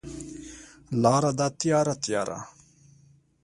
لاره ده تیاره، تیاره